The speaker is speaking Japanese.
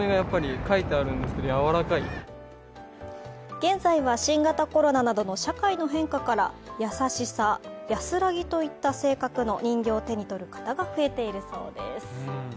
現在は新型コロナなどの社会の変化からやさしさ、安らぎといった性格の人形を手に取る方が増えているそうです。